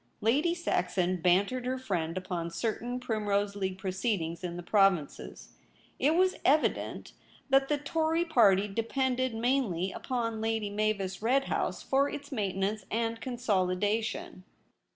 Lady Saxon bantered her friend upon cer tain Primrose League proceedings In the provinces. It was evident that the Tory Party depended mainly upon Lady Mavis IN THE LOBBY. 21 Redhouse for its maintenance and consolida tion.